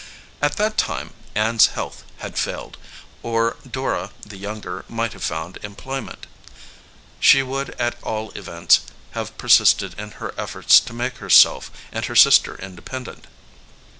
At that time Ann s health had failed, or Dora, the younger, might have found employment. She would at all events have persisted in her efforts to make herself and her sister independent.